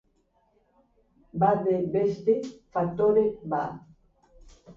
Bada beste faktore bat.